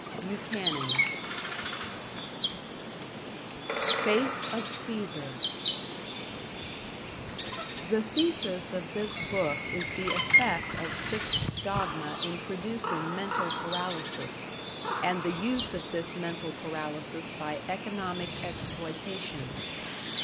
Buchanan #Face of Caesar# The thesis of this book is the effect of fixed dogma in producing mental paralysis, and the use of this mental paralysis by Economic Exploitation.